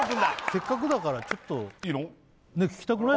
せっかくだからちょっと聴きたくない？